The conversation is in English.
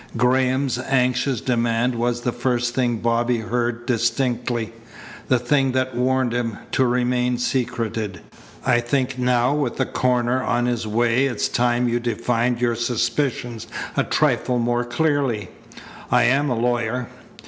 Graham's anxious demand was the first thing Bobby heard distinctly the thing that warned him to remain secreted. "I think now with the coroner on his way it's time you defined your suspicions a trifle more clearly. I am a lawyer.